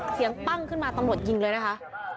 ปั้งขึ้นมาตำรวจยิงเลยนะคะ